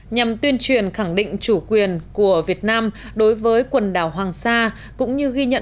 nhằm tuyên truyền khẳng định chủ quyền của việt nam đối với quần đảo hoàng sa cũng như ghi nhận